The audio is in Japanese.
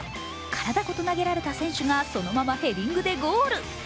体ごと投げられた選手がそのままヘディングでゴール。